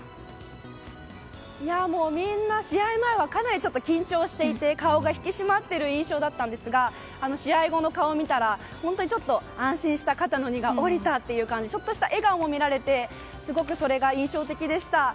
みんな試合前はかなり緊張していて顔が引き締まっている印象だったんですが試合後の顔を見たら安心した、肩の荷が下りた感じでちょっとした笑顔も見られてそれがすごく印象的でした。